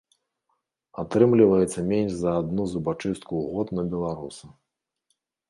Атрымліваецца менш за адну зубачыстку ў год на беларуса!